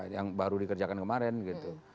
yang baru dikerjakan kemarin gitu